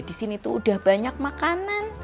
disini tuh udah banyak makanan